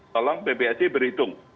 tolong bpsi berhitung